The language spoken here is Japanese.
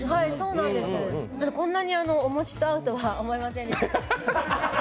こんなにお餅と合うとは思いませんでした。